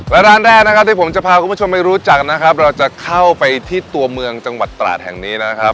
และร้านแรกนะครับที่ผมจะพาคุณผู้ชมไปรู้จักนะครับเราจะเข้าไปที่ตัวเมืองจังหวัดตราดแห่งนี้นะครับ